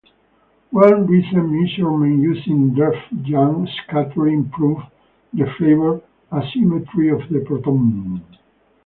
One recent measurement using Drell-Yan scattering probed the flavor asymmetry of the proton.